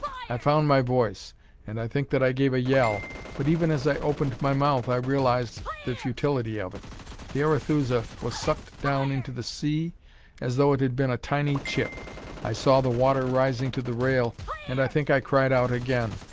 "I found my voice and I think that I gave a yell, but even as I opened my mouth, I realized the futility of it. The Arethusa was sucked down into the sea as though it had been a tiny chip. I saw the water rising to the rail, and I think I cried out again.